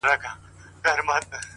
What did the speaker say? خو چي زه مي د مرګي غېږي ته تللم؛